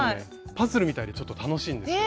パズルみたいでちょっと楽しいんですよ。